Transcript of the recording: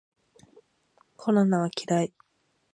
コロナは嫌い